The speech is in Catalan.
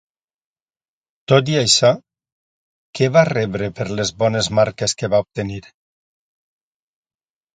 Tot i això, què va rebre per les bones marques que va obtenir?